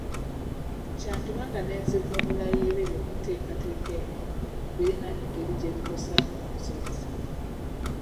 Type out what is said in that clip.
Kyandiba nga n’enzivuunula y’ebiri mu nteekateeka eno birina engeri gye bikosaamu omusomesa